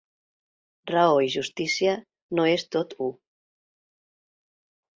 Raó i justícia no és tot u.